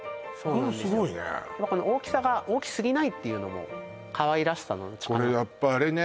これすごいね大きさが大きすぎないっていうのもかわいらしさのうちかなとこれやっぱあれね